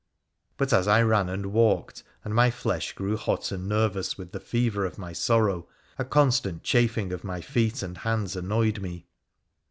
But as I ran and walked, and my flesh grew hot and nervous with the fever of my sorrow, a constant chafing of my feet and hands annoyed me.